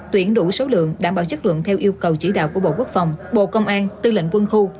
tuyển đủ số lượng đảm bảo chất lượng theo yêu cầu chỉ đạo của bộ quốc phòng bộ công an tư lệnh quân khu